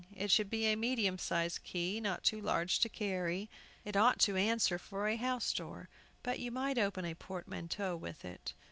It should be a medium sized key, not too large to carry. It ought to answer for a house door, but you might open a portmanteau with it.